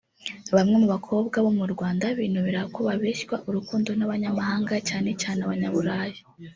Bamwe mu bakobwa bo mu Rwanda binubira ko babeshywa urukundo n’abanyamahanga cyane cyane abanyaburayi